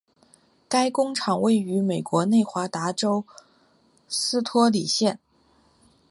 该工厂位于美国内华达州斯托里县。